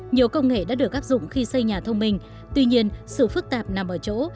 nhiều công nghệ đã được áp dụng khi xây nhà thông minh tuy nhiên sự phức tạp nằm ở chỗ